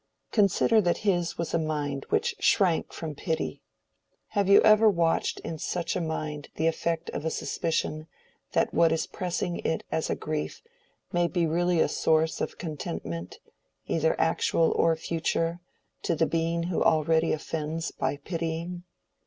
Consider that his was a mind which shrank from pity: have you ever watched in such a mind the effect of a suspicion that what is pressing it as a grief may be really a source of contentment, either actual or future, to the being who already offends by pitying?